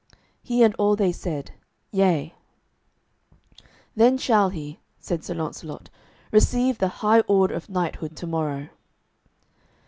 He and all they said, "Yea." "Then shall he," said Sir Launcelot, "receive the high order of knighthood to morrow."